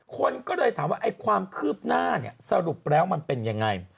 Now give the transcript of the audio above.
คนก็ถามว่าความคืบหน้าสรุปแล้วมันเป็นอย่างไร